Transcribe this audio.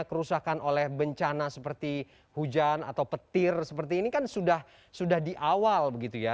kerusakan oleh bencana seperti hujan atau petir seperti ini kan sudah di awal begitu ya